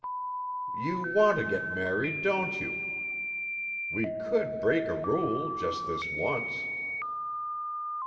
"You want to get married, don't you? We could break a rule, just this once."